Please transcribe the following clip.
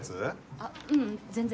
あっううん全然。